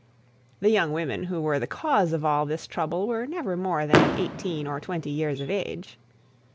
The young women who were the cause of all this trouble were never more than eighteen or twenty years of age.